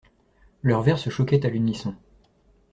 Leurs verres se choquaient à l'unisson.